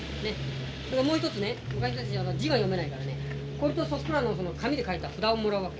それからもう一つね昔の人たち字が読めないからねこれとそっくらの紙で書いた札をもらうわけ。